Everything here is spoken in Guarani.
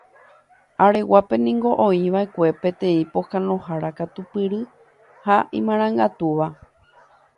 Areguápe niko oikova'ekue peteĩ pohãnohára katupyry ha imarangatúva.